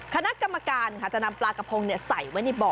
คณะกรรมการจะนำปลากระพงใส่ไว้ในบ่อ